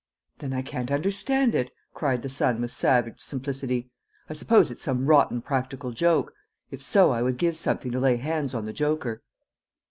"Then I can't understand it," cried the son, with savage simplicity. "I suppose it's some rotten practical joke; if so, I would give something to lay hands on the joker!"